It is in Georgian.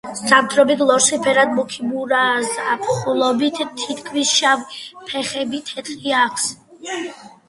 ზამთრობით ლოსი ფერად მუქი მურაა, ზაფხულობით თითქმის შავი, ფეხები თეთრი აქვს.